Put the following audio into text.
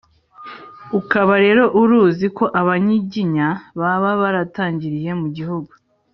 ukaba rero uruzi ko abanyiginya baba baratangiriye mu gihugu